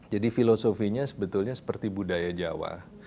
jadi filosofinya sebetulnya seperti budaya jawa